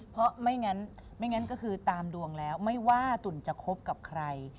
เพราะไม่งั้นไม่งั้นก็คือตามดวงแล้วไม่ว่าตุ๋นจะคบกับใคร